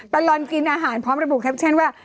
ตลอดกินอาหารพร้อมระบุแคปชั่นว่า